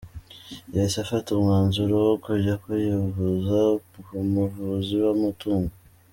Yahise afata umwanzuro wo kujya kuyivuza ku muvuzi w’ amatungo.